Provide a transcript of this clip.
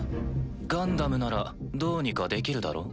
ガンダムならどうにかできるだろ？